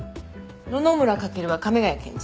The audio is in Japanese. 野々村翔は亀ヶ谷検事。